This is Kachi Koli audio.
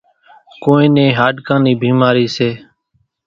ڪونئين نين هاڏڪان نِي ڀيمارِي سي۔